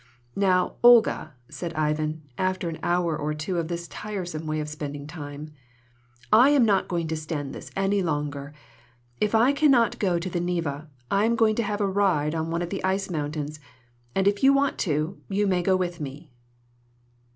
"Now, Olga," said Ivan, after an hour or two of this tiresome way of spending time, "I am not going to stand this any longer; if I can not go to the Neva, I am going to have a ride on one of the ice mountains, and if you want to, you may go with me."